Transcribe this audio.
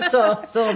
そう。